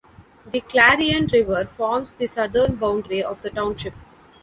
The Clarion River forms the southern boundary of the township.